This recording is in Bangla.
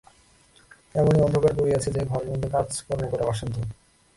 এমনি অন্ধকার করিয়াছে যে, ঘরের মধ্যে কাজকর্ম করা অসাধ্য।